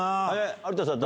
有田さん、誰？